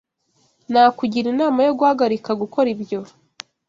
Nakugira inama yo guhagarika gukora ibyo.